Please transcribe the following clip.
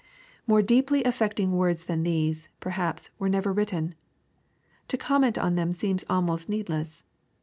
'' More deeply affecting words than these, perhaps, were never written. To comment on them seems almost need less.